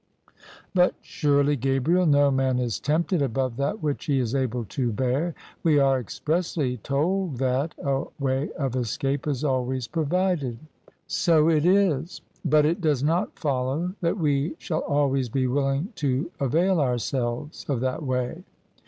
" But surely, Gabriel, no man is tempted above that which he is able to bear. We are expressly told that a way of escape b always provided." THE SUBJECTION " So It is; but It does not follow that we shall always be willing to avail ourselves of that way.